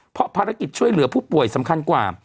เพราะภารกิจช่วยเหลือผู้ป่วยสำคัญกว่า